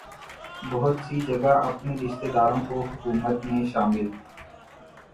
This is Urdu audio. بہت سی جگہ اپنے رشتہ داروں کو حکومت میں شامل